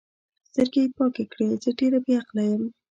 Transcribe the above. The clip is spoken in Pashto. سترګې یې پاکې کړې: زه ډېره بې عقله یم.